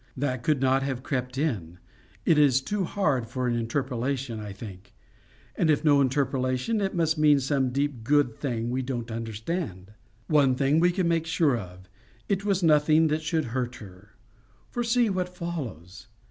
That could not have crept in. It is too hard for an interpolation, I think; and if no interpolation, it must mean some deep good thing we don't understand. One thing we can make sure of: it was nothing that should hurt her; for see what follows.